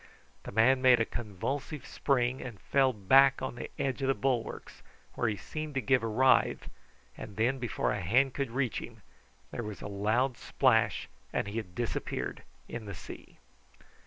The man made a convulsive spring, and fell back on the edge of the bulwarks, where he seemed to give a writhe, and then, before a hand could reach him, there was a loud splash, and he had disappeared in the sea.